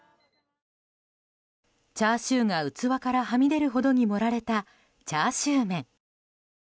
チャーシューが器からはみ出るほどに盛られたチャーシュー麺。